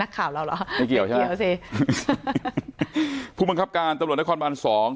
ข่าวเราเหรอไม่เกี่ยวใช่ไหมเกี่ยวสิผู้บังคับการตำรวจนครบานสอง